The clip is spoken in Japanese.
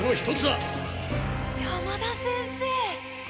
山田先生。